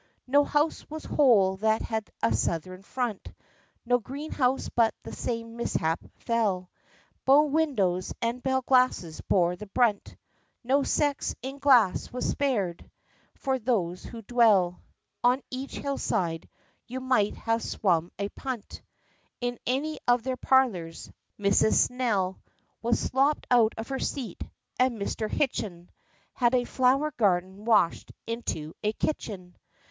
No house was whole that had a southern front, No greenhouse but the same mishap befell; Bow windows and bell glasses bore the brunt, No sex in glass was spared! For those who dwell On each hill side, you might have swum a punt In any of their parlors; Mrs. Snell Was slopped out of her seat, and Mr. Hitchin Had a flower garden washed into a Kitchen.